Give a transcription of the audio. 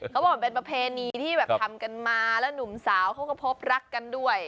เขาบอกมันเป็นประเพณีที่แบบทำกันมาแล้วหนุ่มสาวเขาก็พบรักกันด้วย